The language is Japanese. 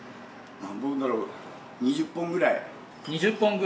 何本だろう、２０本ぐらい。